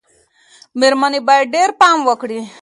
مېرمنې باید ډېر پام وکړي.